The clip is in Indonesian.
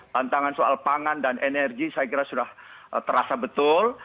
tantangan soal pangan dan energi saya kira sudah terasa betul